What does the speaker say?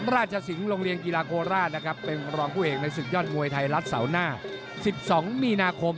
ราชสิงห์โรงเรียนกีฬาโคราชนะครับเป็นรองผู้เอกในศึกยอดมวยไทยรัฐเสาร์หน้า๑๒มีนาคม